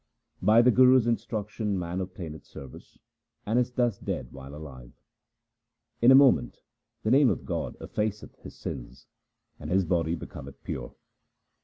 By tha Guru's instruction man obtaineth service, and is thus dead while alive. In a moment the name of God effaceth his sins, and his body becometh pure.